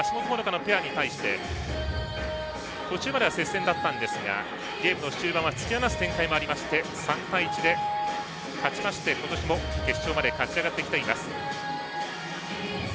橋本帆乃香のペアに対して途中まで接戦でしたがゲームの中盤は突き放す展開もありまして３対１で勝ちまして今年も決勝まで勝ち上がってきています。